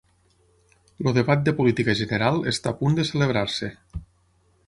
El debat de política general està a punt de celebrar-se